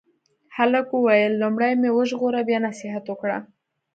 هلک وویل لومړی مې وژغوره بیا نصیحت وکړه.